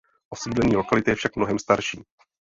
Osídlení lokality je však mnohem starší.